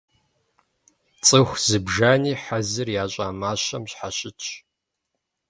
Цӏыху зыбжани хьэзыр ящӏа мащэм щхьэщытщ.